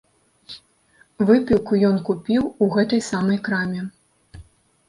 Выпіўку ён купіў у гэтай самай краме.